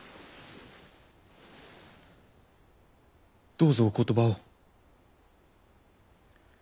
どうぞお言葉を。